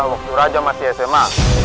waktu raja masih sma